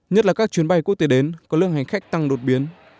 nhất là các chuyến bay quốc tế đến có lương hành khách tăng đột biến